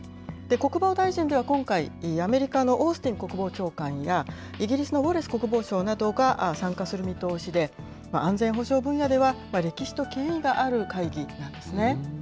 国防大臣では今回、アメリカのオースティン国防長官や、イギリスのウォレス国防相などが参加する見通しで、安全保障分野では、歴史と権威がある会議なんですね。